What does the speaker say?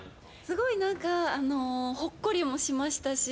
すごいほっこりもしましたし。